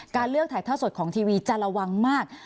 เลือกถ่ายท่อสดของทีวีจะระวังมาก